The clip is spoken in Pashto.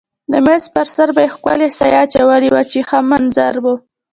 د مېز پر سر به یې ښکلې سایه اچولې وه چې ښه منظر و.